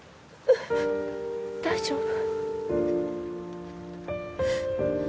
大丈夫？